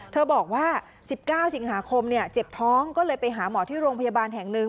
บอกว่า๑๙สิงหาคมเจ็บท้องก็เลยไปหาหมอที่โรงพยาบาลแห่งหนึ่ง